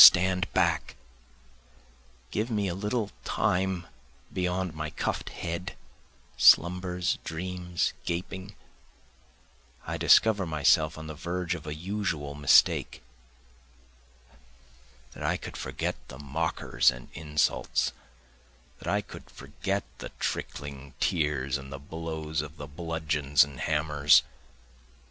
Stand back! Give me a little time beyond my cuff'd head, slumbers, dreams, gaping, I discover myself on the verge of a usual mistake. That I could forget the mockers and insults! That I could forget the trickling tears and the blows of the bludgeons and hammers!